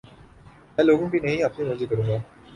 میں لوگوں کی نہیں اپنی مرضی کروں گی